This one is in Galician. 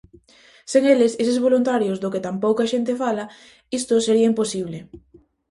Sen eles, eses voluntarios do que tan pouca xente fala, isto sería imposible.